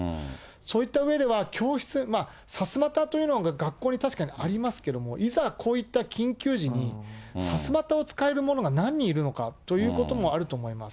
そういったうえでは、教室、さすまたというのが学校に確かにありますけれども、いざ、こういった緊急時にさすまたを使える者が何人いるのかということもあると思います。